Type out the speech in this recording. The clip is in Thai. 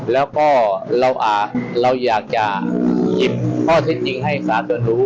แล้วก็เราอยากจะหยิบข้อเท็จจริงให้สารตัวรู้